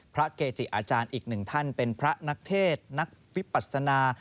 เกจิอาจารย์อีกหนึ่งท่านเป็นพระนักเทศนักวิปัสนา